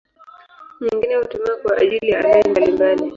Nyingine hutumiwa kwa ajili ya aloi mbalimbali.